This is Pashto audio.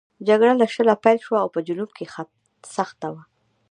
جګړه له شله پیل شوه او په جنوب کې سخته وه.